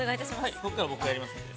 ◆ここから僕がやりますので。